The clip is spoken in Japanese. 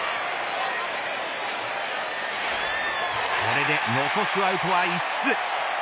これで残すアウトは５つ。